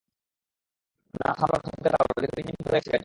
না, থামল না, থমকে দাঁড়াল, যেহেতু ইঞ্জিন বন্ধ হয়ে গেছে গাড়িটার।